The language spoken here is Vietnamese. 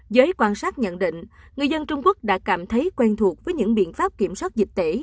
giới quan sát nhận định người dân trung quốc đã cảm thấy quen thuộc với những biện pháp kiểm soát dịch tễ